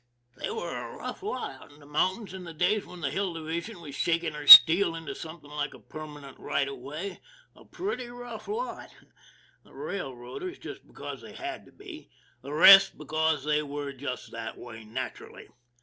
They were a rough lot out in the mountains in the days when the Hill Division was shaking her steel into something like a permanent right of way a pretty rough lot. The railroaders because they had to be; the rest because they were just that way naturally.